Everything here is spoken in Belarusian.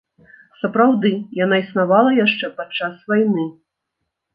Сапраўды, яна існавала яшчэ падчас вайны.